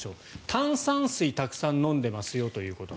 炭酸水、たくさん飲んでいますよということ。